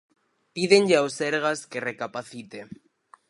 Pídenlle ao Sergas que recapacite.